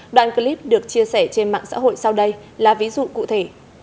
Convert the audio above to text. đoạn clip được chia sẻ trên mạng xã hội sau đây là ví dụ cụ thể